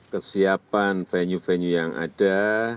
kesiapan venue venue yang ada